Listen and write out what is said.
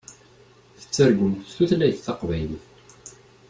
Tettargum s tutlayt taqbaylit.